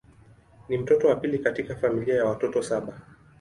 Ni mtoto wa pili katika familia ya watoto saba.